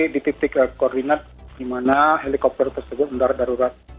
di titik koordinat di mana helikopter tersebut mendarat darurat